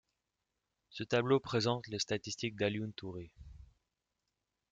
Ce tableau présente les statistiques d'Alioune Touré.